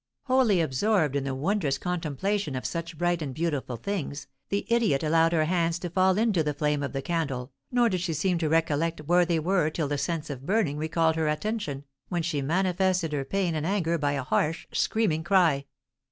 Wholly absorbed in the wondrous contemplation of such bright and beautiful things, the idiot allowed her hands to fall into the flame of the candle, nor did she seem to recollect where they were till the sense of burning recalled her attention, when she manifested her pain and anger by a harsh, screaming cry.